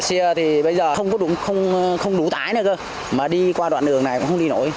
xe thì bây giờ không đủ tái nữa cơ mà đi qua đoạn đường này cũng không đi nổi